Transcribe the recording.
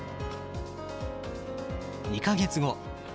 ２か月後。